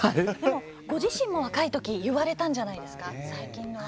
ご自身も若いとき言われたんじゃないですか？